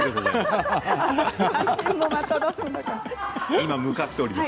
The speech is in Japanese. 今、向かっております。